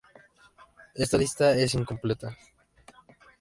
Esta lista es incompleta.